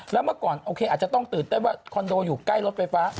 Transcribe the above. แล้วเมื่อก่อนโอเคอาจจะต้องตื่นเต้นว่าคอนโดอยู่ใกล้รถไฟฟ้า